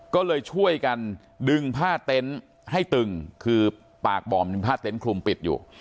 ก็เลยช่วยกันดึงผ้าเต็นต์ให้ตึงคือปากบ่อมันมีผ้าเต็นต์คลุมปิดอยู่